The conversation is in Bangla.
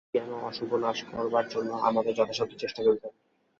অজ্ঞান ও অশুভ নাশ করবার জন্য আমাদের যথাসাধ্য চেষ্টা করতে হবে।